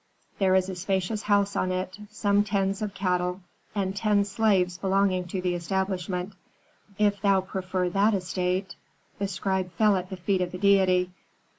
There is a spacious house on it, some tens of cattle, and ten slaves belong to the establishment. If thou prefer that estate ' "The scribe fell at the feet of the deity.